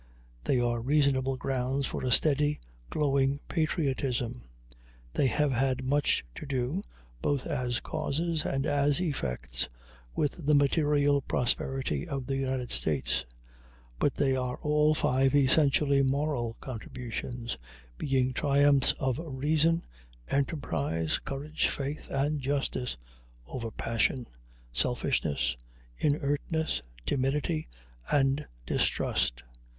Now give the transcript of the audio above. They are reasonable grounds for a steady, glowing patriotism. They have had much to do, both as causes and as effects, with the material prosperity of the United States; but they are all five essentially moral contributions, being triumphs of reason, enterprise, courage, faith, and justice, over passion, selfishness, inertness, timidity, and distrust.